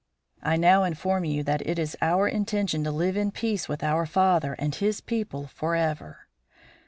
"I now inform you that it is our intention to live in peace with our father and his people forever.